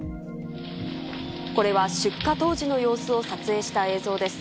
これは出火当時の様子を撮影した映像です。